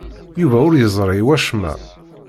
Yuba ur yeẓri acemma.